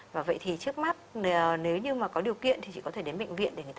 và vậy thì trước mắt nếu như mà có điều kiện